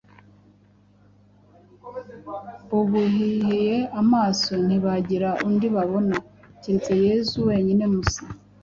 Bubuye amaso, ntibagira undi babona, keretse Yesu wenyine musa.”